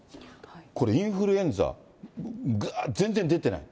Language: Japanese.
これ、インフルエンザ、ぐーっと全然増えてない。